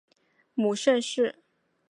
母盛氏。